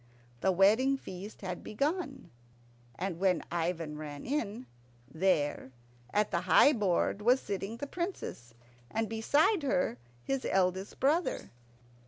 The wedding feast had begun, and when Ivan ran in, there, at the high board, was sitting the Princess, and beside her his eldest brother.